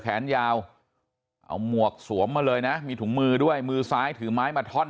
แขนยาวเอาหมวกสวมมาเลยนะมีถุงมือด้วยมือซ้ายถือไม้มาท่อน